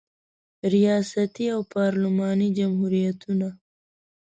ریاستي او پارلماني جمهوریتونه